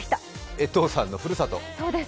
江藤さんのふるさと。